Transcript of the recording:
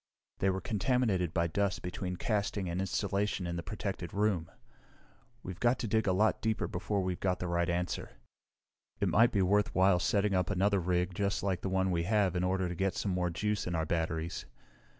"They were contaminated by dust between casting and installation in the protected room. We've got to dig a lot deeper before we've got the right answer. It might be worthwhile setting up another rig just like the one we have in order to get some more juice in our batteries.